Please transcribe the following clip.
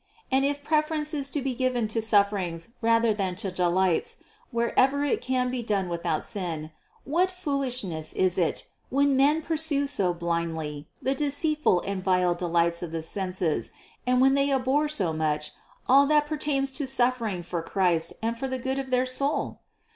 And if pref erence is to be given to sufferings rather than to de lights, wherever it can be done without sin, what fool ishness is it, when men pursue so blindly the deceitful and vile delights of the senses, and when they abhor so much all that pertains to suffering for Christ and for the good of their soul?